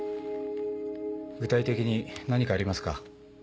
具体的に何かありますか？